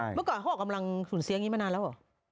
เมื่อก่อนห้อกำลังสูญเสียงงี้มานานแล้วเหรอ